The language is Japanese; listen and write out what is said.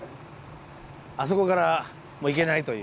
あそこからもう行けないという。